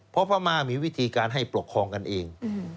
เพราะพม่ามีวิธีการให้ปกครองกันเอง